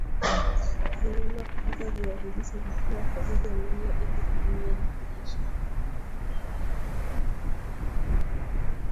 ni nyema kupika viazi lishe vikiwa havija menywa ili kutunza virutubisho